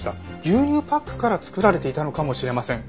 牛乳パックから作られていたのかもしれません。